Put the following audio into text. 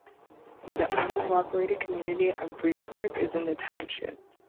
The unincorporated community of Breezewood is in the township.